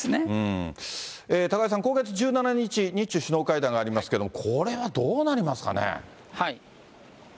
高井さん、今月１７日、日中首脳会談がありますけども、これはどうなります